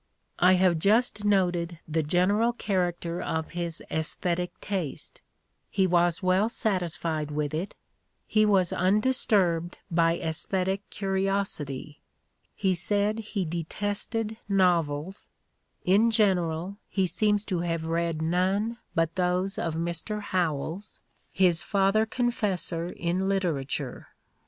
I have just noted the general character of his aesthetic taste: he was well satisfied with it, he was undisturbed by aesthetic curi osity. He said he "detested" novels; in general, he seems to have read none but those of Mr. Howells, his i6o The Ordeal of Mark Twain father confessor in literature.